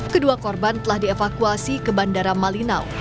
kedua korban telah dievakuasi ke bandara malinau